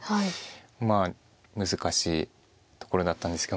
まあ難しいところだったんですけど。